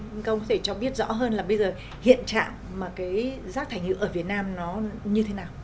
các ông có thể cho biết rõ hơn là bây giờ hiện trạng rác thải nhựa ở việt nam nó như thế nào